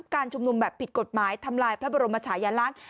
การชุมนุมแบบผิดกฎหมายทำลายพระบรมชายลักษณ์